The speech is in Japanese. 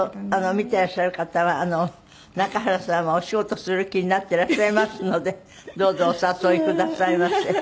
見てらっしゃる方は中原さんはお仕事する気になっていらっしゃいますのでどうぞお誘いくださいませ。